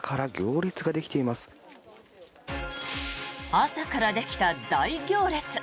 朝からできた大行列。